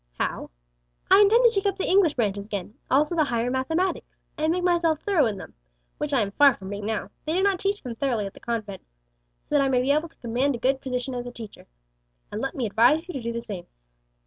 "How?" "I intend to take up the English branches again, also the higher mathematics, and make myself thorough in them (which I am far from being now; they do not teach them thoroughly at the convent), so that I may be able to command a good position as a teacher. "And let me advise you to do the same."